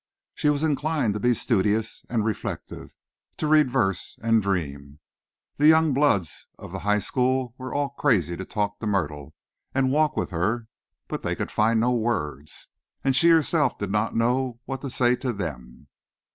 She was inclined to be studious and reflective, to read verse and dream. The young bloods of the high school were all crazy to talk to Myrtle and to walk with her, but they could find no words. And she herself did not know what to say to them.